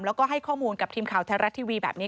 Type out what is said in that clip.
แล้วก็ให้ข้อมูลกับทีมข่าวแท้รัฐทีวีแบบนี้